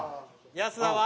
安田は？